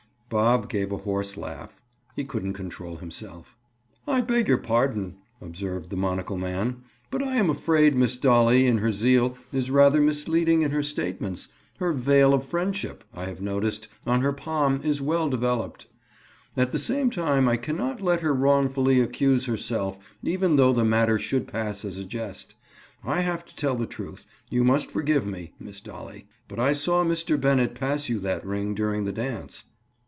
Bob gave a hoarse laugh. He couldn't control himself. "I beg your pardon," observed the monocle man, "but I am afraid Miss Dolly, in her zeal, is rather misleading in her statements. Her vale of friendship, I have noticed, on her palm, is well developed. At the same time I can not let her wrongfully accuse herself, even though the matter should pass as a jest. I have to tell the truth—you must forgive me, Miss Dolly. But I saw Mr. Bennett pass you that ring during the dance."